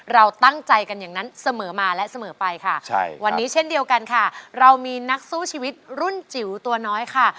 เราตั้งใจกันอย่างนั้นเสมอมาและเสมอไปค่ะวันนี้เช่นเดียวกันค่ะเรามีนักสู้ชีวิตรุ่นจิ๋วตัวน้อยค่ะ